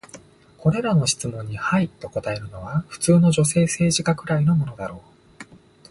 これらの質問に「はい」と答えるのは、普通の女性政治家くらいのものだろう。